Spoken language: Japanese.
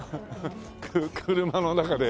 車の中で。